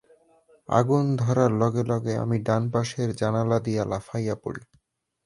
আগুন ধরার লগে লগে আমি ডান পাশের জানালা দিয়া লাফাইয়া পড়ি।